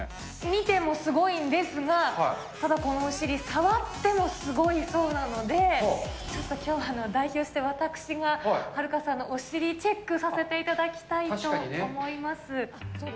見てもすごいんですが、ただこのお尻、触ってもすごいそうなので、ちょっときょうは代表して私が、ハルカさんのお尻チェックさせていただきたいと思います。